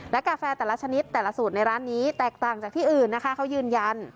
และกาแฟแต่ละชนิดแต่ละสูตรในร้านนี้แตกต่างจากที่อื่นนะคะเขายืนยัน